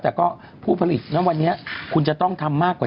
แต่ก็ผู้ผลิตนะวันนี้คุณจะต้องทำมากกว่า